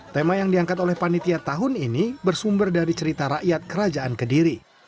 tema yang diangkat oleh panitia tahun ini bersumber dari cerita rakyat kerajaan kediri